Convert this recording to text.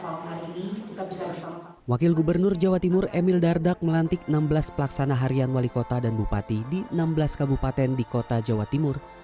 wakil gubernur jawa timur emil dardak melantik enam belas pelaksana harian wali kota dan bupati di enam belas kabupaten di kota jawa timur